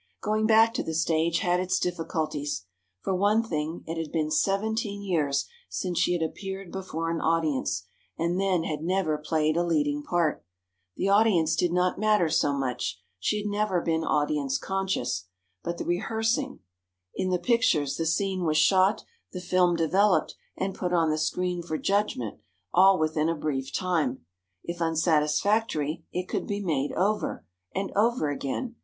Going back to the stage had its difficulties. For one thing, it had been seventeen years since she had appeared before an audience, and then had never played a leading part. The audience did not matter so much—she had never been audience conscious. But the rehearsing. In the pictures, the scene was shot, the film developed, and put on the screen for judgment, all within a brief time. If unsatisfactory, it could be made over, and over again.